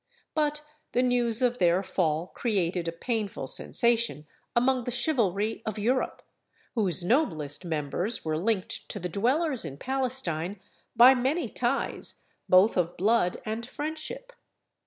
But the news of their fall created a painful sensation among the chivalry of Europe, whose noblest members were linked to the dwellers in Palestine by many ties, both of blood and friendship.